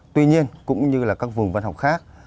tuy nhiên cũng như các vùng văn học khác